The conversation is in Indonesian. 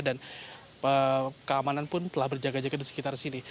dan keamanan pun telah berjaga jaga di sekitar sini